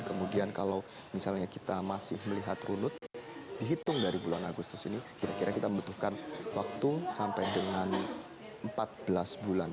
kemudian kalau misalnya kita masih melihat runut dihitung dari bulan agustus ini kira kira kita membutuhkan waktu sampai dengan empat belas bulan